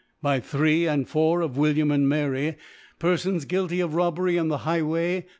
By 3 and 4 of ^William and Miry, Per* fons guilty of Robbery in the Highway